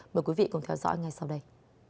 mời quý vị cùng theo dõi ngay sau đây